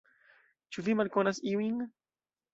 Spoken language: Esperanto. Ĉu vi malkonas iujn?